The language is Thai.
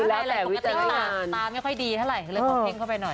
ตาไม่ค่อยดีเท่าไหร่เลยพอเพ่งเข้าไปหน่อย